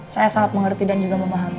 saya sangat mengerti dan juga memahami